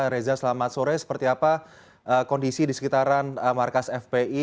reza selamat sore seperti apa kondisi di sekitaran markas fpi